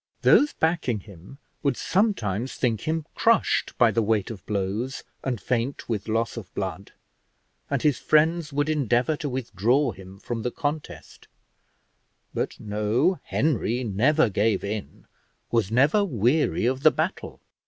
Those backing him would sometimes think him crushed by the weight of blows and faint with loss of blood, and his friends would endeavour to withdraw him from the contest; but no, Henry never gave in, was never weary of the battle.